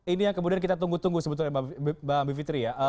ini yang kemudian kita tunggu tunggu sebetulnya mbak bivitri ya